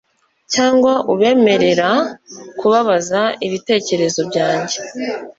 cyangwa ubemerera kubabaza ibitekerezo byanjye ..